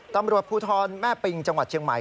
ตำรวจภูทรแม่ปิงจังหวัดเชียงใหม่